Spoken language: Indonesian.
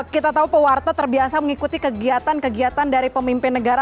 kita tahu pewarta terbiasa mengikuti kegiatan kegiatan dari pemimpin negara